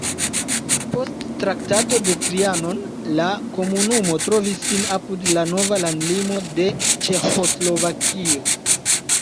Post Traktato de Trianon la komunumo trovis sin apud la nova landlimo de Ĉeĥoslovakio.